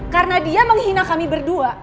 karena dia menghina kami berdua